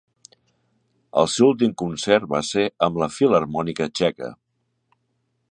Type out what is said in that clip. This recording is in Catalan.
El seu últim concert va ser amb la Filharmònica Txeca.